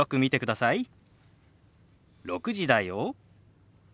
「６時だよ」。